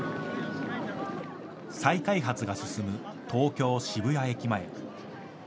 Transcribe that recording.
再開発が進む東京・渋谷駅前。